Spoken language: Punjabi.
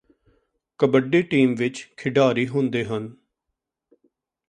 ਕਬੱਡੀ ਟੀਮ ਵਿਚ ਖਿਡਾਰੀ ਹੁੰਦੇ ਹਨ